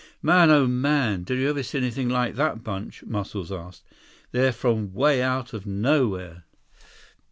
"Man, oh, man! Did you ever see anything like that bunch?" Muscles asked. "They're from way out of nowhere."